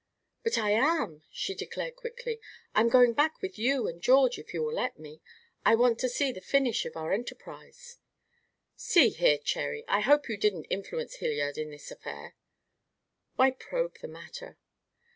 "But I am," she declared, quickly. "I'm going back with you and George if you will let me. I want to see the finish of our enterprise." "See here, Cherry, I hope you didn't influence Hilliard in this affair?" "Why probe the matter?"